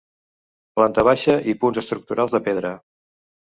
Planta baixa i punts estructurals de pedra.